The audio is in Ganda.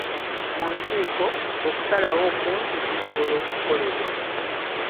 Mu nkiiko, okusalawo okungi kusobola okukolebwa.